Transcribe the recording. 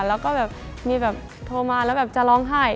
แล้วก็แบบมีแบบโทรมาแล้วแบบจะร้องไห้